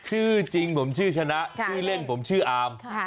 ชื่อจริงผมชื่อชนะชื่อเล่นผมชื่ออาม